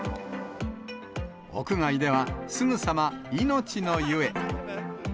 屋外では、すぐさま命の湯へ。